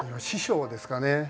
師匠ですかね。